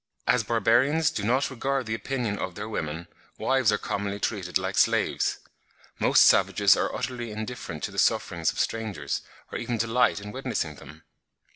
As barbarians do not regard the opinion of their women, wives are commonly treated like slaves. Most savages are utterly indifferent to the sufferings of strangers, or even delight in witnessing them.